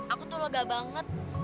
aku tuh lega banget